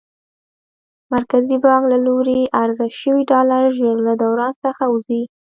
مرکزي بانک له لوري عرضه شوي ډالر ژر له دوران څخه وځي.